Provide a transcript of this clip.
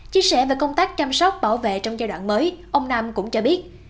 chia sẻ về công tác chăm sóc bảo vệ trong giai đoạn mới ông nam cũng cho biết